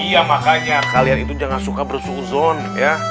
iya makanya kalian itu jangan suka bersuku zon ya